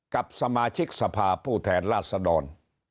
กับสมาชิกสภาผู้แทนราชดร